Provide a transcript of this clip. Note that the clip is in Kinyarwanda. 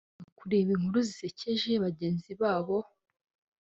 abashaka kureba inkuru zisekeje bagenzi babo